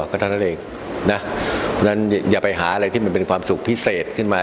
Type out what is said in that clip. ก็เท่านั้นเองนะเพราะฉะนั้นอย่าไปหาอะไรที่มันเป็นความสุขพิเศษขึ้นมา